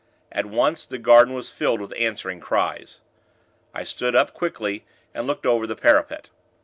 At once, the garden was filled with answering cries. I stood up, quickly, and looked over the parapet.